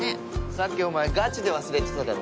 さっきお前ガチで忘れてただろ？